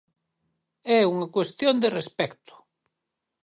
É unha cuestión de respecto.